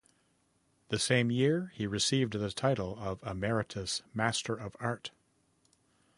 The same year he received the title of Emeritus Master of Art.